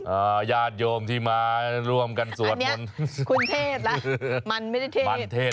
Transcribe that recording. อ่าญาติโยมที่มาร่วมกันสวดมนตร์อันนี้คุณเทศล่ะมันไม่ได้เทศ